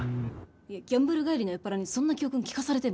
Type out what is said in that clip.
いやギャンブル帰りの酔っ払いにそんな教訓聞かされても。